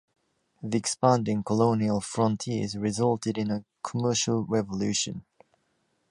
The expanding colonial frontiers resulted in a Commercial Revolution.